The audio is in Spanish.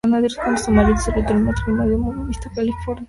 Cuando su marido se retiró, el matrimonio se mudó a Vista, California.